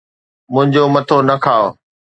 منھنجو مٿو نه کاءُ